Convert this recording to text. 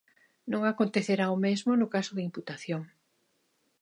Non acontecerá o mesmo no caso de imputación.